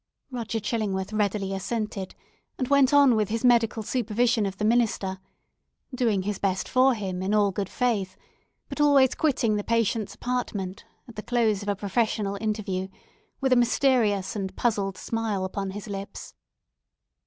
Roger Chillingworth readily assented, and went on with his medical supervision of the minister; doing his best for him, in all good faith, but always quitting the patient's apartment, at the close of the professional interview, with a mysterious and puzzled smile upon his lips.